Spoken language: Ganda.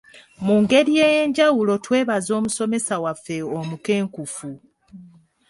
Mu ngeri ey'enjawulo twebaza omusomesa waffe omukenkufu.